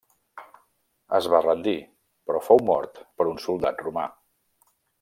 Es va rendir però fou mort per un soldat romà.